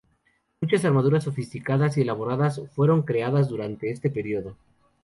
Muchas armaduras sofisticadas y elaboradas fueron creadas durante este período.